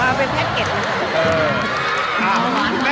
มาเป็นแพทย์เก็ตนะคะ